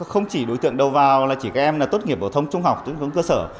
không chỉ đối tượng đầu vào là chỉ các em là tốt nghiệp bổ thông trung học tốt nghiệp bổ thông cơ sở